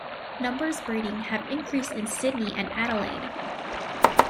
Numbers breeding have increased in Sydney and Adelaide.